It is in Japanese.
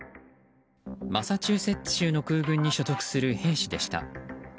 マサチューセッツ州の空軍に所属する兵士でした。